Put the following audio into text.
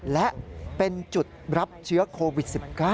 และเป็นจุดรับเชื้อโควิด๑๙